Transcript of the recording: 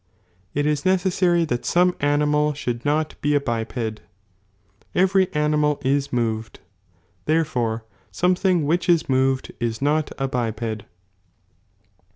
It is necessary that some animal should not Every animal is moved '. Something which is moved is not a biped.